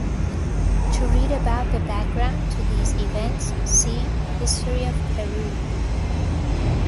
To read about the background to these events, see History of Peru.